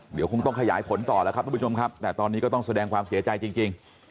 เดี๋ยวคงต้องขยายผลต่อแล้วครับทุกผู้ชมครับแต่ตอนนี้ก็ต้องแสดงความเสียใจจริง